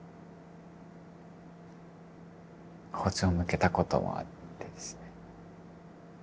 包丁向けたこともあってですね。